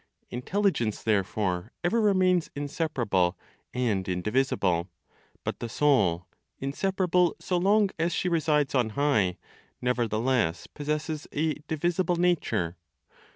Intelligence therefore ever remains inseparable and indivisible; but the soul, inseparable so long as she resides on high, nevertheless possesses a divisible nature.